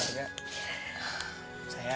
waalaikumsalam makasih banyak ya mas